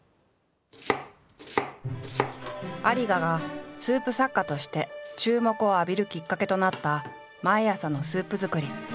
有賀がスープ作家として注目を浴びるきっかけとなった毎朝のスープ作り。